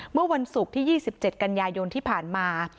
เมื่อวันศุกร์ที่๒๗กันยายนที่ผ่านมา